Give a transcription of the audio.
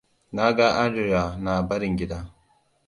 Na ga Adrea na barin gida.